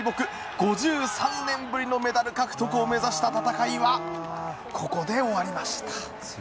５３年ぶりのメダル獲得を目指した戦いはここで終わりました。